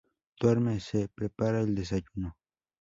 Duerme, se prepara el desayuno.